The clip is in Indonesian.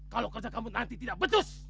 kalau kerja kamu nanti tidak putus